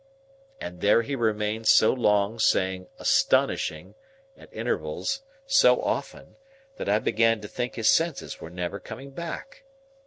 And there he remained so long saying, "Astonishing" at intervals, so often, that I began to think his senses were never coming back.